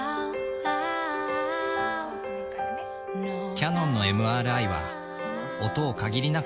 キヤノンのＭＲＩは音を限りなく